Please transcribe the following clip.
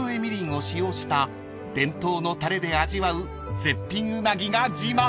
淋を使用した伝統のたれで味わう絶品ウナギが自慢］